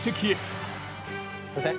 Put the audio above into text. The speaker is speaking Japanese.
すいません。